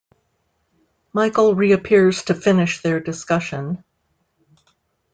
Michael reappears to finish their discussion.